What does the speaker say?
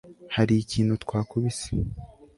hari ikintu twakubise